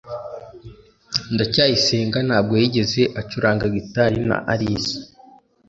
ndacyayisenga ntabwo yigeze acuranga gitari na alice